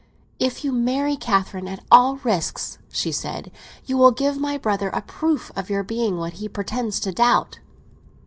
"If you marry Catherine at all risks" she said, "you will give my brother a proof of your being what he pretends to doubt."